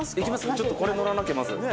ちょっとこれ乗らなきゃまず。